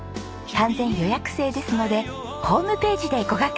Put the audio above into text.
完全予約制ですのでホームページでご確認ください。